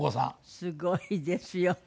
すごいですよね。